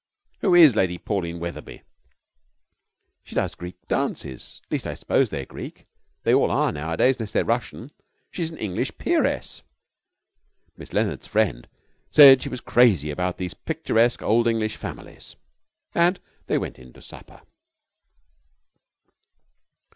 Who is Lady Pauline Wetherby?' 'She does Greek dances at least, I suppose they're Greek. They all are nowadays, unless they're Russian. She's an English peeress.' Miss Leonard's friend said she was crazy about these picturesque old English families; and they went in to supper.